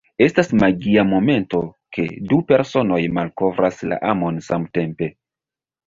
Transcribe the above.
Estas magia momento ke du personoj malkovras la amon samtempe.